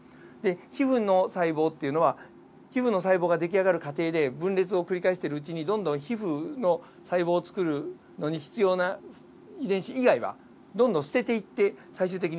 皮膚の細胞っていうのは皮膚の細胞ができあがる過程で分裂を繰り返しているうちにどんどん皮膚の細胞を作るのに必要な遺伝子以外はどんどん捨てていって最終的に皮膚ができてる。